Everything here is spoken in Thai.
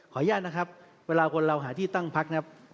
ขออนุญาตนะครับเวลาคนเราหาที่ตั้งพัก